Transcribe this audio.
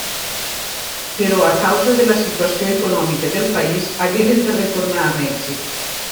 Però a causa de la situació econòmica del país hagueren de retornar a Mèxic.